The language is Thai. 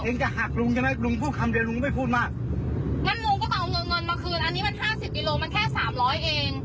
งั้นลุงก็เอาเงินมาคืนอันนี้มันห้าสิบกิโลมันแค่สามร้อยเอง